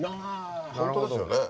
本当ですよね。